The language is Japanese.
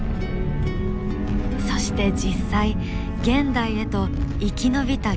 そして実際現代へと生き延びた恐竜がいる。